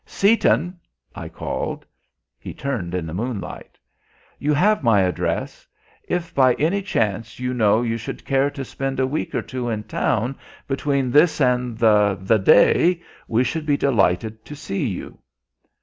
"Seaton!" I called. He turned in the moonlight. "You have my address; if by any chance, you know, you should care to spend a week or two in town between this and the the Day, we should be delighted to see you."